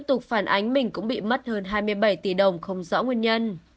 đoán ánh mình cũng bị mất hơn hai mươi bảy tỷ đồng không rõ nguyên nhân